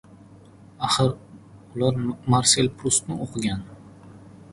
Axir, ular Marsel Prustni o‘qigan!